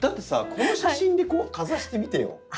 この写真にかざしてみてよ。